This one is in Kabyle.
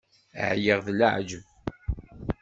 Ԑyiɣ d leεǧeb.